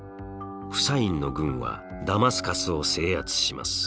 フサインの軍はダマスカスを制圧します。